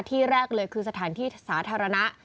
ที่แรกเลยคือสถานที่สาธารณะ